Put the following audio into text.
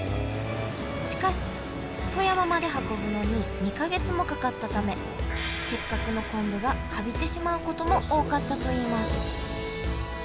しかし富山まで運ぶのに２か月もかかったためせっかくの昆布がカビてしまうことも多かったといいます。